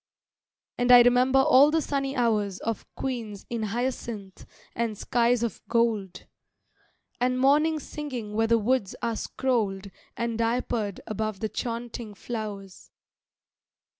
And I remember all the sunny hours Of queens in hyacinth and skies of gold, And morning singing where the woods are scrolled And diapered above the chaunting flowers.